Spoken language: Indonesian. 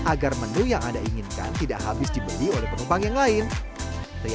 agar menu yang anda inginkan tidak habis dibuat